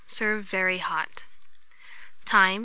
Serve very hot. Time.